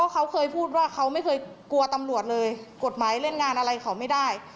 เขาเคยพูดว่าเขาไม่เคยกลัวตำรวจเลยกฎหมายเล่นงานอะไรเขาไม่ได้